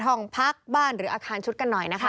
ห้องพักบ้านหรืออาคารชุดกันหน่อยนะคะ